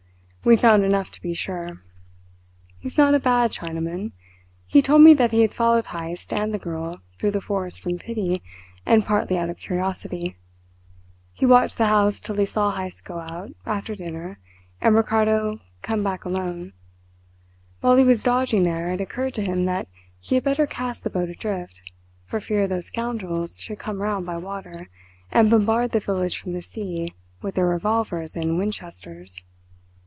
We found enough to be sure. He's not a bad Chinaman. He told me that he had followed Heyst and the girl through the forest from pity, and partly out of curiosity. He watched the house till he saw Heyst go out, after dinner, and Ricardo come back alone. While he was dodging there, it occurred to him that he had better cast the boat adrift, for fear those scoundrels should come round by water and bombard the village from the sea with their revolvers and Winchesters.